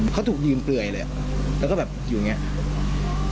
เขาถูกยืมเปลือยเลยแล้วก็แบบอยู่อย่างนี้